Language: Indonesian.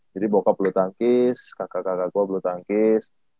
jadi bokap bulu tangkis kakak kakak gua bulu tangkis